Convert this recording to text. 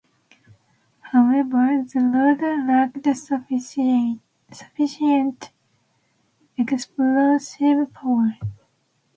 However, the round lacked sufficient explosive power.